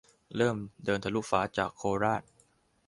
- เริ่ม เดินทะลุฟ้า จากโคราช